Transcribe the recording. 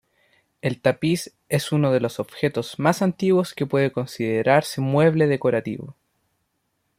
El tapiz es uno de los objetos más antiguos que puede considerarse mueble decorativo.